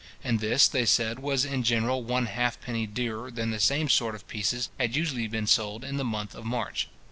and this, they said, was in general one halfpenny dearer than the same sort of pieces had usually been sold in the month of March.